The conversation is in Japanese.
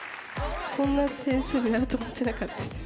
こんな点数になると思ってなかったです。